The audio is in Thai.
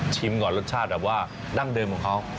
ก่อนรสชาติแบบว่าดั้งเดิมของเขา